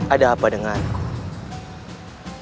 ada apa denganku